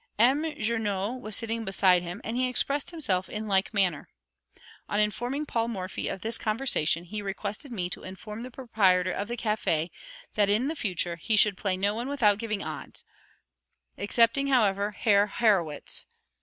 M. Journoud was sitting beside him, and he expressed himself in like manner. On informing Paul Morphy of this conversation, he requested me to inform the proprietor of the café that, in future, he should play no one without giving odds; excepting, however, Herr Harrwitz.